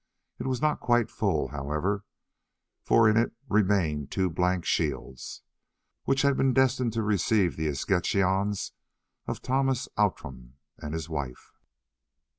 It was not quite full, however, for in it remained two blank shields, which had been destined to receive the escutcheons of Thomas Outram and his wife.